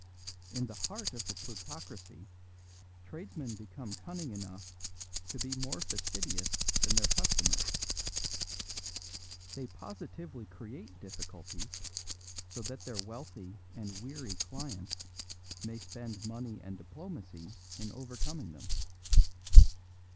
In the heart of a plutocracy tradesmen become cunning enough to be more fastidious than their customers. They positively create difficulties so that their wealthy and weary clients may spend money and diplomacy in overcoming them.